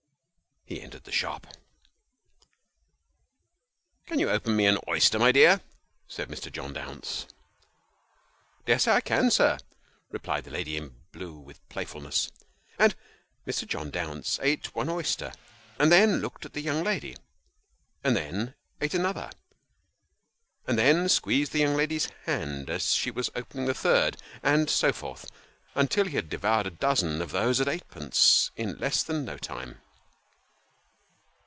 He entered the shop. 184 Sketches by Boz. " Can you open me an oyster, my dear ?" said Mr. John Bounce. " Dare say I can, sir," replied the lady in blue, with playfulness. And Mr. John Dounce eat one oyster, and then looked at the young lady, and then eat another, and then squeezed the young lady's hand as she was opening the third, and so forth, until he had devoured a dozen of those at eightpence in less than no time.